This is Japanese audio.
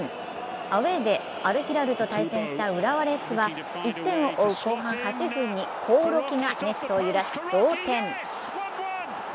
アウェーでアルヒラルと対戦した浦和レッズは１点を追う後半８分に興梠がネットを揺らし同点。